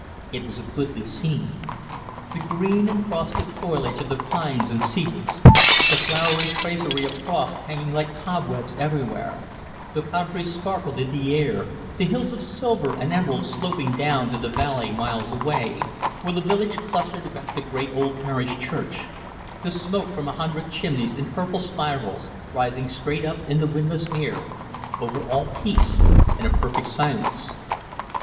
It was a goodly scene. The green and frosted foliage of the pines and cedars; the flowery tracery of frost hanging like cobwebs everywhere; the poudre sparkle in the air; the hills of silver and emerald sloping down to the valley miles away, where the village clustered about the great old parish church; the smoke from a hundred chimneys, in purple spirals, rising straight up in the windless air; over all peace and a perfect silence.